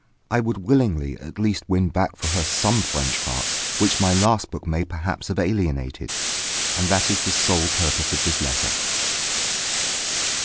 I would willingly at least win back for her some French hearts which my last book may perhaps have alienated. And that is the sole purpose of this letter.